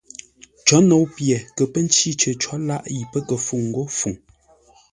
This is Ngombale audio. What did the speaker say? Có nou pye kə pə́ ncí cər cǒ làʼ yi pə́ kə fúŋ ńgó Fuŋ.